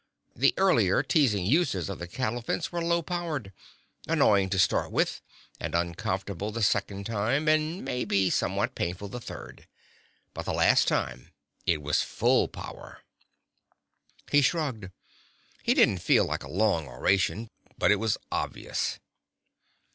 The earlier, teasing uses of the cattle fence were low power. Annoying, to start with, and uncomfortable the second time, and maybe somewhat painful the third. But the last time it was full power." He shrugged. He didn't feel like a long oration. But it was obvious.